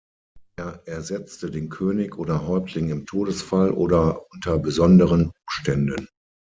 Er ersetzte den König oder Häuptling im Todesfall oder unter besonderen Umständen.